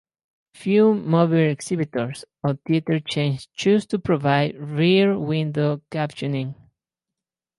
Few movie exhibitors or theater chains choose to provide Rear Window captioning.